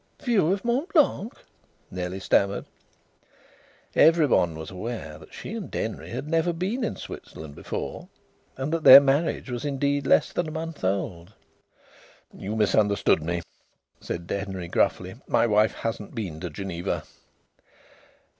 "View of Mont Blanc?" Nellie stammered. Everybody was aware that she and Denry had never been in Switzerland before, and that their marriage was indeed less than a month old. "You misunderstood me," said Denry, gruffly. "My wife hasn't been to Geneva."